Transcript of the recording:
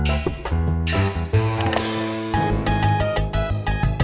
gak usah bayar